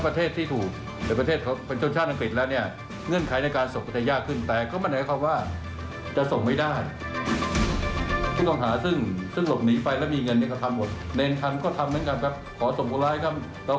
บอสท่านทำอะไรในเมืองไทยท่านบอกว่าท่านมีสิทธิ์อุทธรรม